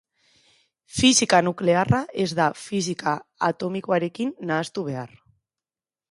Fisika nuklearra ez da fisika atomikoarekin nahastu behar.